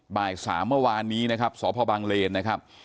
บ่ายสามเมื่อวานนี้นะครับสพบังเลนนะครับ